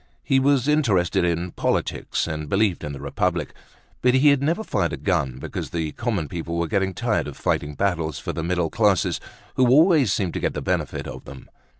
He was interested in politics and believed in the Republic. But he had never fired a gun because the common people were getting tired of fighting battles for the middle classes who always seemed to get the benefit of them.